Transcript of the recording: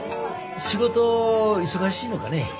仕事忙しいのかね？